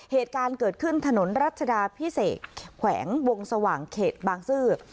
เหตุการณ์เกิดขึ้นถนนรัชดาพิเศษแขวงวงสว่างเขตบางซื่อ